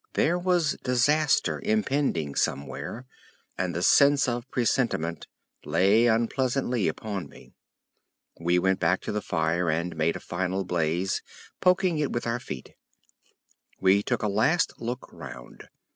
There was disaster impending somewhere, and the sense of presentiment lay unpleasantly upon me. We went back to the fire and made a final blaze, poking it up with our feet. We took a last look round.